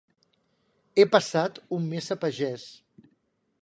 He passat un mes a pagès.